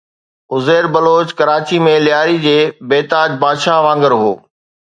عزير بلوچ ڪراچيءَ ۾ لياري جي بي تاج بادشاهه وانگر هو.